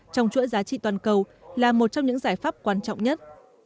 trong chuỗi giá trị toàn cầu là một trong những giải pháp quan trọng nhất